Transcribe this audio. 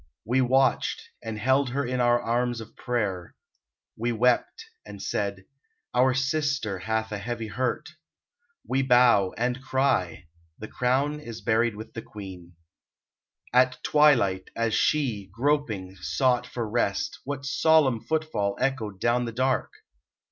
We watched, and held Her in our arms of prayer. We wept, and said: Our sister hath a heavy hurt. We bow, And cry: The crown is buried with the Queen. At twilight, as she, groping, sought for rest, What solemn footfall echoed down the dark?